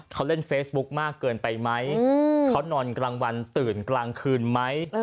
เขาเล่นเฟซบุ๊คมากเกินไปไหมเขานอนกลางวันตื่นกลางคืนไหม